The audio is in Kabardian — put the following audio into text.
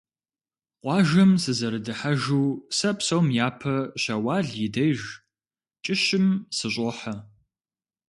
Къуажэм сызэрыдыхьэжу сэ псом япэ Щэуал и деж, кӀыщым, сыщӀохьэ.